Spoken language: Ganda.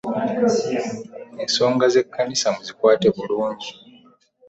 Ensonga ze kkamsa muzikwate bulungi.